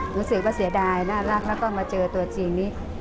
รู้สึกเสียดายและใจมาเจอตัวจริง